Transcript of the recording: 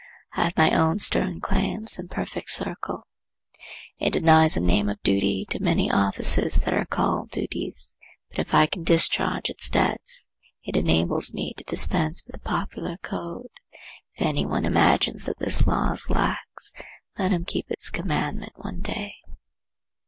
I have my own stern claims and perfect circle. It denies the name of duty to many offices that are called duties. But if I can discharge its debts it enables me to dispense with the popular code. If any one imagines that this law is lax, let him keep its commandment one day.